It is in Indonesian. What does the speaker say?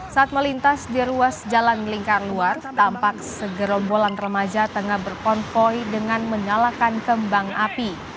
saat melintas di ruas jalan lingkar luar tampak segerombolan remaja tengah berkonvoy dengan menyalakan kembang api